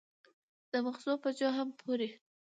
د مغزو په حجم پورې